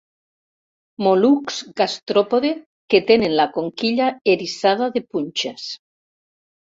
Mol·luscs gastròpode que tenen la conquilla eriçada de punxes.